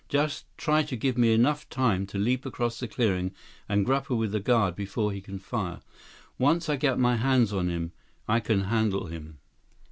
Just try to give me enough time to leap across that clearing and grapple with the guard before he can fire. Once I get my hands on him, I can handle him."